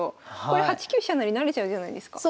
これ８九飛車成成れちゃうじゃないですか。